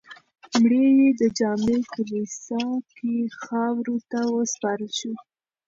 مړی یې د جامع کلیسا کې خاورو ته وسپارل شو.